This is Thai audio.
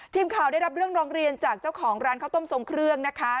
ทีมข่าวได้รับเรื่องร้องเรียนจากเจ้าของร้านข้าวต้มทรงเครื่องนะคะ